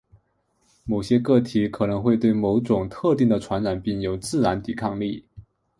某些个体可能会对某种特定传染病有自然抵抗力。